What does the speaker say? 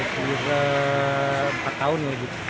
sudah empat tahun